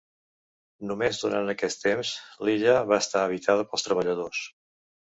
Només durant aquest temps l'illa va estar habitada pels treballadors.